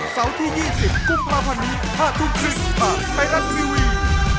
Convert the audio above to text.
เก่าที่๒๐กุ๊กประพันธ์นี้ห้าทุกสิทธิ์มาใกล้รักทีวี